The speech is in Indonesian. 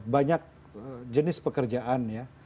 banyak jenis pekerjaan ya